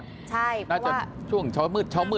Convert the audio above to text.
ใช่เพราะว่าช่วงเช้ามืดน่ะมั้งนะ